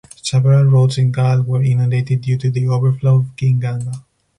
Several roads in Galle were inundated due to the overflow of Gin Ganga.